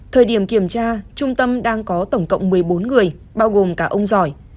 thời điểm kiểm tra trung tâm đang có tổng cộng một mươi bốn người bao gồm cả ông giỏi